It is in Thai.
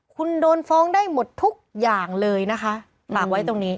คุณโดนฟ้องได้หมดทุกอย่างเลยนะคะฝากไว้ตรงนี้